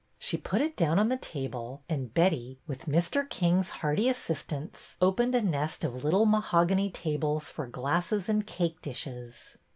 She put it down on the table, and Betty, with Mr. King's hearty assistance, opened a nest of little mahogany tables for glasses and cake dishes.